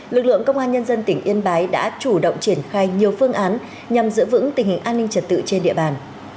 lực lượng công an nhân dân tỉnh yên bái đã chủ động triển khai nhiều phương án nhằm giữ vững tình hình an ninh trật tự trên địa bàn